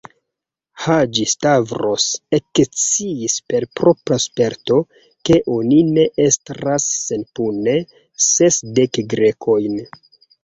Haĝi-Stavros eksciis per propra sperto, ke oni ne estras senpune sesdek Grekojn.